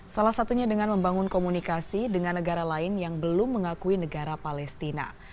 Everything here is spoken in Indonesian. salah satunya dengan membangun komunikasi dengan negara lain yang belum mengakui negara palestina